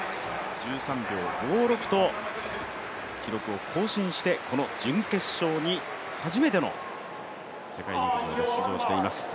１３秒５６と記録を更新して、この準決勝に、初めての世界陸上に出場しています。